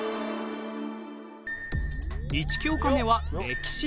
１教科目は歴史。